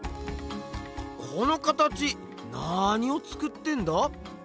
この形なにを作ってんだ？